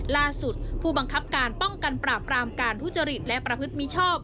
ผู้บังคับการป้องกันปราบรามการทุจริตและประพฤติมิชชอบ